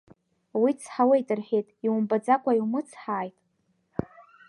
Уи цҳауеит, — рҳәеит, иумбаӡакәа иумыцҳааит.